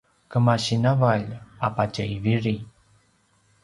kemasi navalj a patje i viri